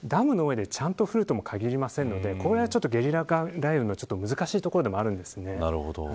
狭い範囲の雨ですとなかなかダムの上でちゃんと降るとも限らないのでこれが、ゲリラ雷雨の難しいところでもあるんですね。